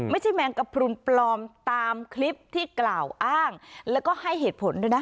แมงกระพรุนปลอมตามคลิปที่กล่าวอ้างแล้วก็ให้เหตุผลด้วยนะ